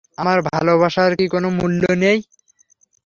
আমার ভালোবাসার কি কোনো মূল্য নেই।